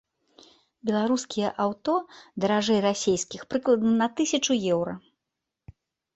Беларускія аўто даражэй расійскіх прыкладна на тысячу еўра.